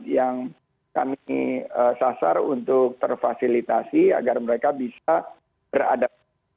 yang kami sasar untuk terfasilitasi agar mereka bisa beradaptasi